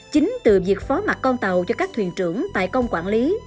chính từ việc phó mặt con tàu cho các thuyền trưởng tài công quản lý